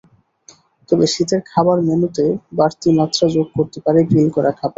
তবে, শীতের খাবার মেন্যুতে বাড়তি মাত্রা যোগ করতে পারে গ্রিল করা খাবার।